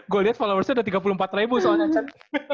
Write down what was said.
gue liat followersnya udah tiga puluh empat soalnya chan